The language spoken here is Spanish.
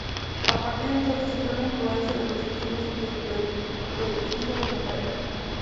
A partir de entonces sufrió la influencia de los estilos del Perugino y Rafael.